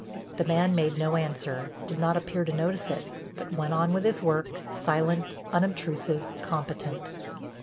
The man made no answer, did not appear to notice it, but went on with his work, silent, unobtrusive, competent.